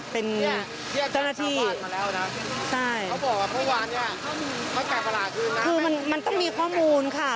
เป็นเจ้าหน้าที่ใช่คือมันต้องมีข้อมูลค่ะ